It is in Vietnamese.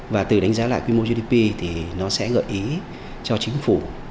và từ đánh giá lại quy mô gdp thì nó sẽ gợi ý cho chính phủ